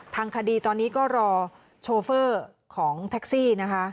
ทางคดีตอนนี้ก็รอโชเฟอร์ของแท็กซี่นะคะ